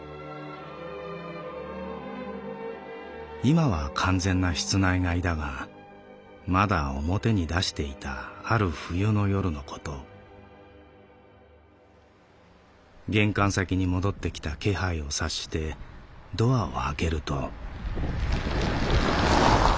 「いまは完全な室内飼いだがまだ表に出していたある冬の夜のこと玄関先に戻ってきた気配を察してドアを開けると」。